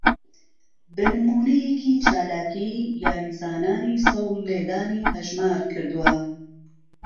به نموونهیهکى چالاکى یاریزانانى سهوڵ لێدانى ههژمار کردووه